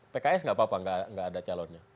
pks gak apa apa gak ada calonnya